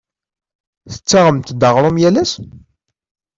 Tettaɣemt-d aɣrum yal ass?